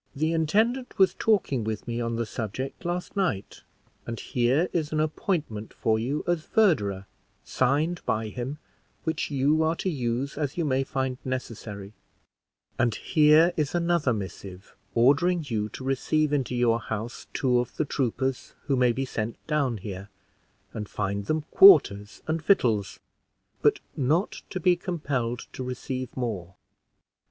The intendant was talking with me on the subject last night, and here is an appointment for you as verderer, signed by him, which you are to use as you may find necessary; and here is another missive, ordering you to receive into your house two of the troopers who may be sent down here, and find them quarters and victuals, but not to be compelled to receive more.